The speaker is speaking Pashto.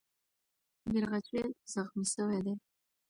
بیرغچی زخمي سوی دی.